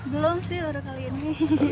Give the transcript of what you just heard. belum sih baru kali ini